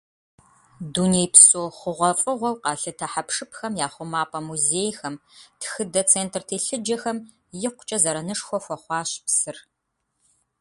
Дунейпсо хъугъуэфӀыгъуэу къалъытэ хьэпшыпхэм я хъумапӀэ музейхэм, тхыдэ центр телъыджэхэм икъукӀэ зэранышхуэ хуэхъуащ псыр.